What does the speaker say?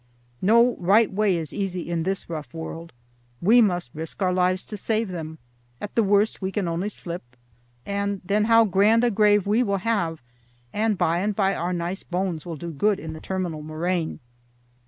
No right way is easy in this rough world. We must risk our lives to save them. At the worst we can only slip, and then how grand a grave we will have, and by and by our nice bones will do good in the terminal moraine."